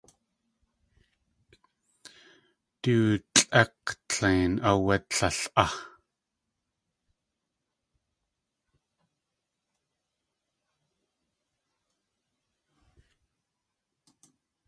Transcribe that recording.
Du tlʼek̲tlein áwé tlél á.